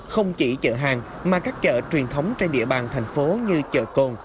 không chỉ chợ hàng mà các chợ truyền thống trên địa bàn thành phố như chợ cồn